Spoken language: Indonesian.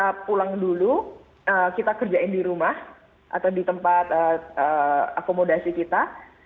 kita pulang dulu kita kerjain di rumah atau di tempat akomodasi kita